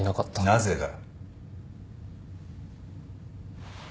なぜだ？